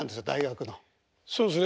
そうですね。